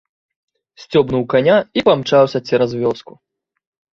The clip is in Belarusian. Сцёбнуў каня і памчаўся цераз вёску.